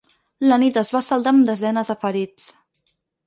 La nit es va saldar amb desenes de ferits.